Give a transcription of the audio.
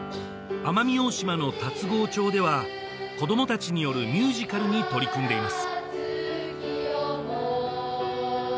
奄美大島の龍郷町では子供達によるミュージカルに取り組んでいます